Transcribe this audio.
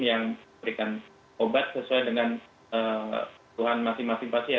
yang memberikan obat sesuai dengan kebutuhan masing masing pasien